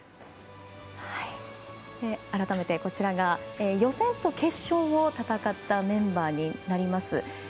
改めて、予選と決勝を戦ったメンバーになります。